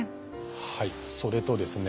はいそれとですね